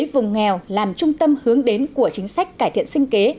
và trung tâm hướng đến của chính sách cải thiện sinh kế